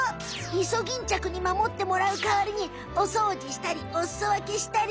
イソギンチャクに守ってもらうかわりにお掃除したりおすそわけしたり。